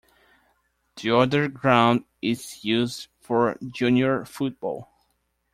The other ground is used for junior football.